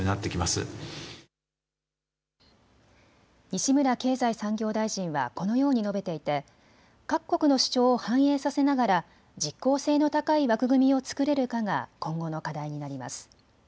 西村経済産業大臣はこのように述べていて各国の主張を反映させながら実効性の高い枠組みを作れるかが今後の課題になります。